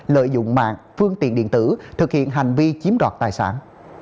lợi dụng mạng phương tiện điện tử thực hiện hành vi chiếm đoạt tài sản